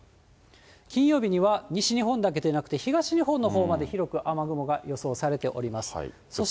金曜日には西日本だけでなくて、東日本のほうまで、広く雨雲が予想されております。